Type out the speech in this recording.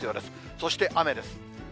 そして雨です。